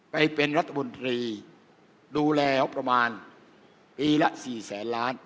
ไปเป็นรัฐมนตรีดูแลประมาณปีละสี่แสนล้าน